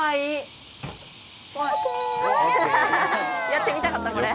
やってみたかったんこれ。